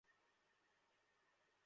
জায়গাটা শান্তই তো লাগছে!